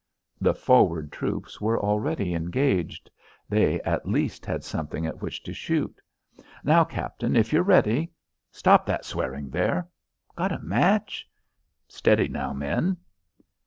The forward troops were already engaged. They, at least, had something at which to shoot. "Now, captain, if you're ready." "Stop that swearing there." "Got a match?" "Steady, now, men."